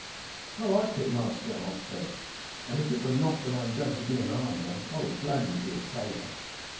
"I liked it, master," Ulf said, "and if it were not that I am going to be an armourer I would gladly be a sailor."